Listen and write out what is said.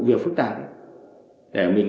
việc phức tạp để mình